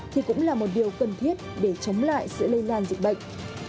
thì cũng là một điều cần thiết để chống lại sự lây lan dịch bệnh